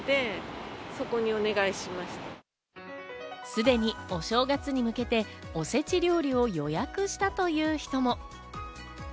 すでにお正月に向けて、おせち料理を予約したという人も。